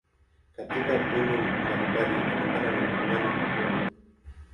Katika dini mbalimbali inatokana na imani kwa Mungu.